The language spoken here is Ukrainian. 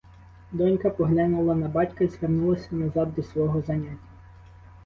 Донька поглянула на батька й звернулася назад до свого заняття.